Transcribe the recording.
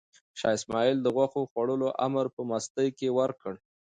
شاه اسماعیل د غوښو خوړلو امر په مستۍ کې ورکړ.